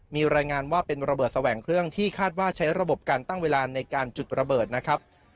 มีรายงานว่าเป็นระเบิดแสวงเครื่องที่คาดว่าใช้ระบบการตั้งเวลาในการจุดระเบิดนะครับ